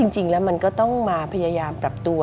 จริงแล้วมันก็ต้องมาพยายามปรับตัว